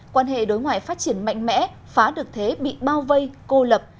quan hệ đối ngoại phát triển mạnh mẽ phá được thế bị bao vây cô lập